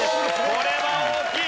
これは大きい！